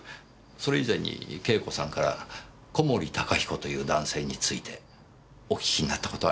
それ以前に慶子さんから小森高彦という男性についてお聞きになった事はありますか？